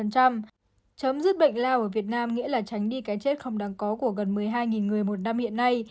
chấm dứt bệnh lao ở việt nam nghĩa là tránh đi cái chết không đáng có của gần một mươi hai người một năm hiện nay